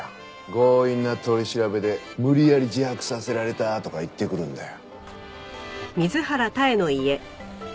強引な取り調べで無理やり自白させられたとか言ってくるんだよ。